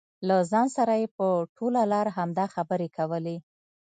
له ځان سره یې په ټوله لار همدا خبرې کولې.